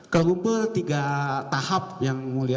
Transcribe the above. terkumpul tiga tahap yang mulia